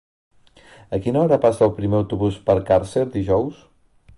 A quina hora passa el primer autobús per Càrcer dijous?